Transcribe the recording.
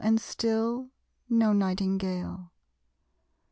And still, no nightingale!